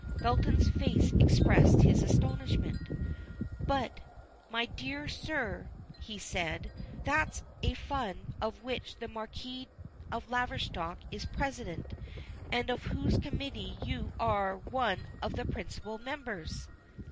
Belton's face expressed his astonishment. "But, my dear sir," he said, "that's a fund of which the Marquis of Laverstock is president, and of whose committee you are one of the principal members."